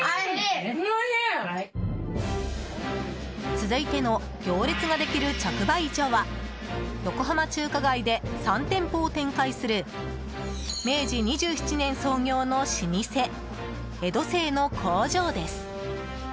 続いての行列ができる直売所は横浜中華街で３店舗を展開する明治２７年創業の老舗江戸清の工場です。